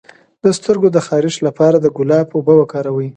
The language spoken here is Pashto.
د سترګو د خارښ لپاره د ګلاب اوبه وکاروئ